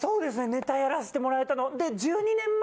ネタやらせてもらえたの。